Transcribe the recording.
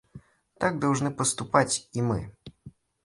Так должны поступать и мы.